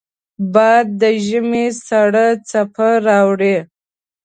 باد د ژمې سړه څپه راوړي